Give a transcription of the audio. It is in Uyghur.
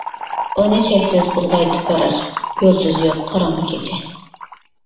ئۇنى چەكسىز ئۇلغايتىپ بارار، يۇلتۇزى يوق قاراڭغۇ كېچە.